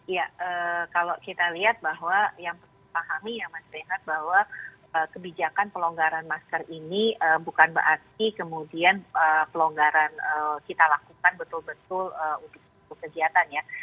ya kalau kita lihat bahwa yang pahami yang mas rehar bahwa kebijakan pelonggaran masker ini bukan berarti kemudian pelonggaran kita lakukan betul betul untuk kegiatannya